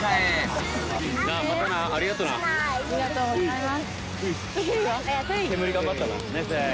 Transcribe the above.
ありがとうございます。